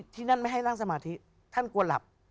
ที่นั่นไม่ให้นั่งสมาธิท่านกลัวหลับ